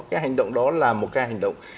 cái hành động đó là một cái hành động